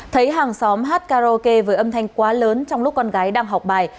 thấy hàng xóm hát karaoke với âm thanh quá lớn trong lúc con gái đang học bài